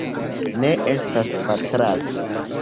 Ne estas fatraso.